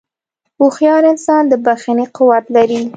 هوښیار انسان د بښنې قوت لري.